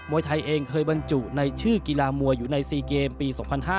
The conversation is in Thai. วยไทยเองเคยบรรจุในชื่อกีฬามวยอยู่ใน๔เกมปี๒๕๕๙